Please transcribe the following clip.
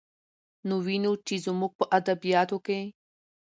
نو وينو، چې زموږ په ادبياتو کې